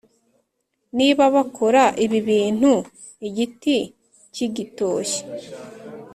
Niba bakora ibi bintu igiti kigitoshye